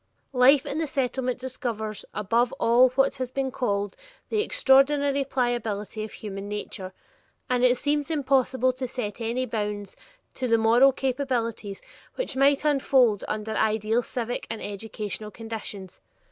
Life in the Settlement discovers above all what has been called "the extraordinary pliability of human nature," and it seems impossible to set any bounds to the moral capabilities which might unfold under ideal civic and educational conditions.